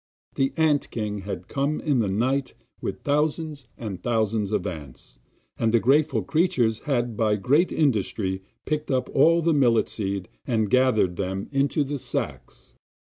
The ant king had come in the night with thousands and thousands of ants, and the grateful creatures had by great industry picked up all the millet seed and gathered them into the sacks.